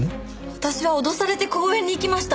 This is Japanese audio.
私は脅されて公園に行きました。